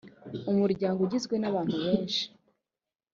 umuryango ugizwe n ‘abantu benshi.